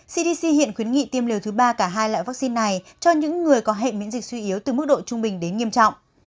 cdc hiện khuyến nghị tiêm liều thứ ba cả hai loại vaccine này cho những người có hệ miễn dịch suy yếu từ mức độ trung bình đến nghiêm trọng